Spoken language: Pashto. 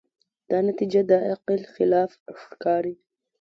دا نتیجه د عقل خلاف ښکاري.